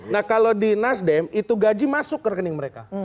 nah kalau di nasdem itu gaji masuk ke rekening mereka